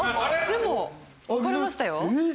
でも分かれましたよ。